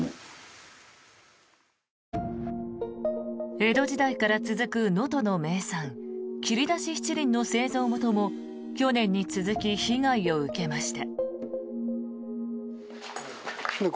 江戸時代から続く能登の名産切り出し七輪の製造元も去年に続き被害を受けました。